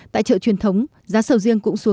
tại chợ truyền thống giá sầu riêng cũng cao hơn